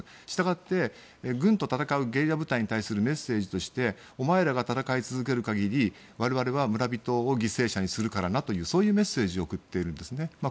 したがって軍と戦うゲリラ部隊に対するメッセージとしてお前らが戦い続ける限り我々は村人を犠牲者にするからなというメッセージを送っているんです。